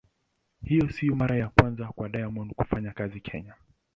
Hii sio mara ya kwanza kwa Diamond kufanya kazi Kenya.